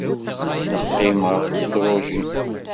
Neqqim ɣef tedrujin.